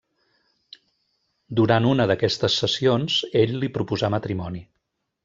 Durant una d'aquestes sessions, ell li proposà matrimoni.